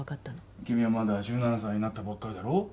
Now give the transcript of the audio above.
君はまだ１７歳になったばっかりだろ？